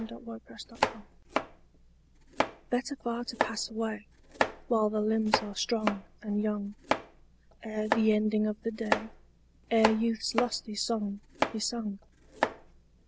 XV Better Far to Pass Away BETTER far to pass away While the limbs are strong and young, Ere the ending of the day, Ere youth's lusty song be sung.